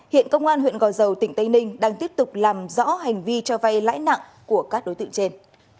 hiện công an huyện gò dầu tỉnh tây ninh đang tiếp tục làm rõ hành vi cho vay lãi nặng của các đối tượng trên